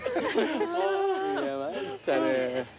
いや参ったね。